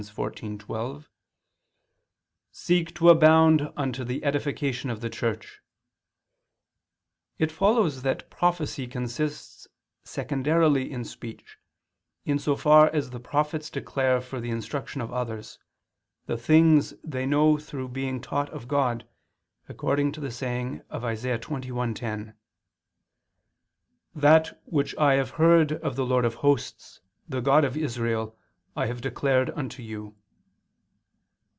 14:12): "Seek to abound unto the edification of the Church," it follows that prophecy consists secondarily in speech, in so far as the prophets declare for the instruction of others, the things they know through being taught of God, according to the saying of Isa. 21:10, "That which I have heard of the Lord of hosts, the God of Israel, I have declared unto you."